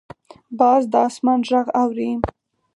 باز د اسمان غږ اوري